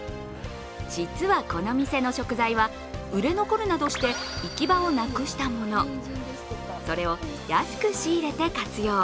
実はこの店の食材は売れ残るなどして行き場をなくしたものそれを安く仕入れて活用。